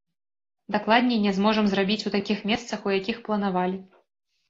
Дакладней, не зможам зрабіць у такіх месцах, у якіх планавалі.